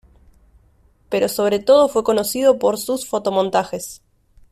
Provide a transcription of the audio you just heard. Pero sobre todo fue conocido por sus fotomontajes.